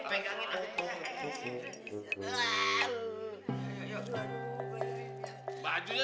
cing jangan bener dong bantuin ya